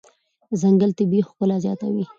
ځنګل طبیعي ښکلا زیاتوي.